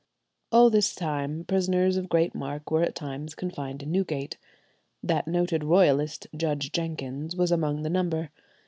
All this time prisoners of great mark were at times confined in Newgate. That noted royalist, Judge Jenkins, was among the number.